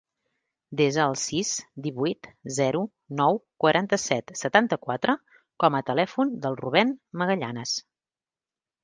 Desa el sis, divuit, zero, nou, quaranta-set, setanta-quatre com a telèfon del Rubèn Magallanes.